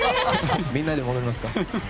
みんなで戻りますと。